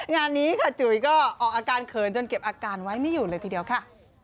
งานนี้ค่ะจุ๋ยก็ออกอาการเขินจนเก็บอาการไว้ไม่อยู่เลยทีเดียวค่ะ